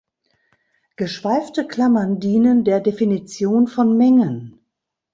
Geschweifte Klammern dienen der Definition von Mengen.